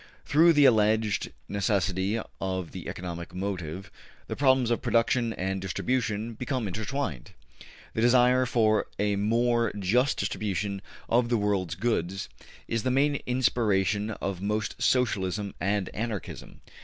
Through the alleged necessity of the economic motive, the problems of production and distribution become intertwined. The desire for a more just distribution of the world's goods is the main inspiration of most Socialism and Anarchism.